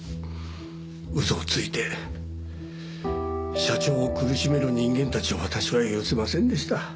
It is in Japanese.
嘘をついて社長を苦しめる人間たちを私は許せませんでした。